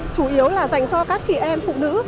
chủ yếu là dành cho các chị em phụ nữ